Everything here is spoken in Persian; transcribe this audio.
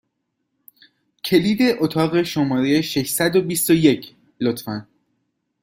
کلید اتاق شماره ششصد و بیست و یک، لطفا!